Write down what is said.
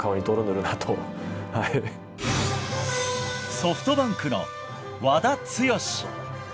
ソフトバンクの和田毅。